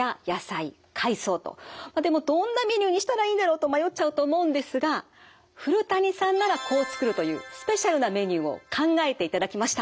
でもどんなメニューにしたらいいんだろうと迷っちゃうと思うんですが古谷さんならこう作るというスペシャルなメニューを考えていただきました。